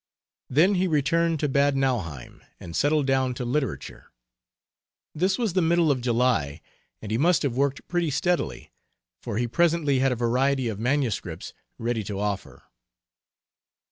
Then he returned to Bad Nauheim and settled down to literature. This was the middle of July, and he must have worked pretty steadily, for he presently had a variety of MSS. ready to offer.